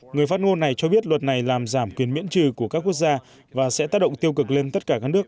người phát ngôn này cho biết luật này làm giảm quyền miễn trừ của các quốc gia và sẽ tác động tiêu cực lên tất cả các nước